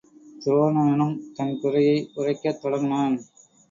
துரோணனும் தன் குறையை உரைக்கத் தொடங்னான்.